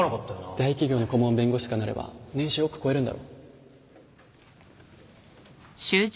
大企業の顧問弁護とかになれば年収億超えるんだろ？